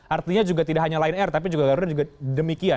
artinya juga tidak hanya lion air tapi juga garuda juga demikian